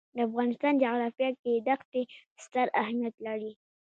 د افغانستان جغرافیه کې دښتې ستر اهمیت لري.